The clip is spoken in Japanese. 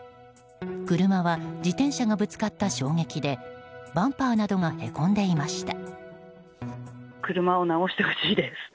車は自転車がぶつかった衝撃でバンパーなどがへこんでいました。